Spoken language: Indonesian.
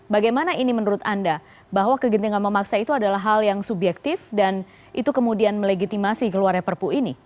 bagaimana ini menurut anda bahwa kegentingan memaksa itu adalah hal yang subjektif dan itu kemudian melegitimasi keluarnya perpu ini